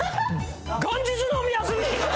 元日のみ休み！